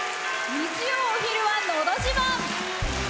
日曜お昼は「のど自慢」。